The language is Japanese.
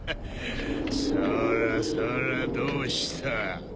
そらそらどうした？